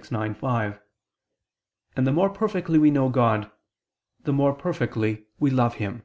_ ix, 5: and the more perfectly we know God, the more perfectly we love Him.